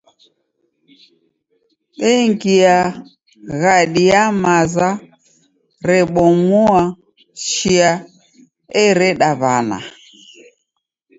Dengia ghadi ya maza rebomua chia ereda w'ana.